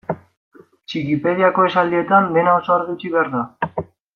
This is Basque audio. Txikipediako esaldietan dena oso argi utzi behar da.